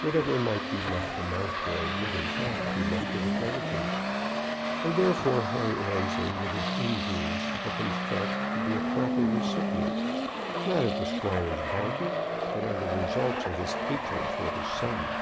Whatever might be left to Mountjoy would in fact be left to the creditors; and therefore Harry Annesley with his injuries had been felt to be a proper recipient, not of the squire's bounty, but of the results of his hatred for his son.